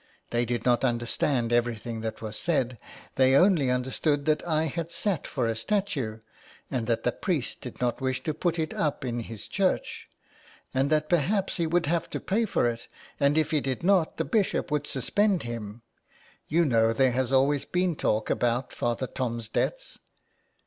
They did not understand everything that was said, they only understood that I had sat for a statue, and that the priest did not wish to put it up in his church, and that perhaps he would have to pay for it, and if he did not the Bishop would suspend him — you know there has always been talk about Father Tom's debts.